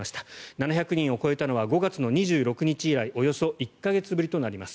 ７００人を超えたのは５月の２６日以来およそ１か月ぶりとなります。